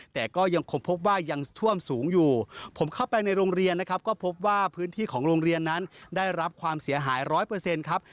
แต่ก็ยังคงพบว่ายังท่วมสูงอยู่ผมเข้าไปในโรงเรียนนะครับก็พบว่าพื้นที่ของโรงเรียนนั้นได้รับความเสียหายร้อยเปอร์เซ็นต์ครับ